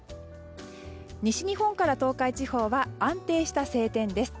西日本から東海地方は安定した晴天です。